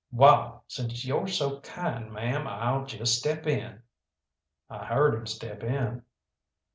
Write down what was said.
"Wall, since yo're so kind, ma'am, I'll just step in." I heard him step in.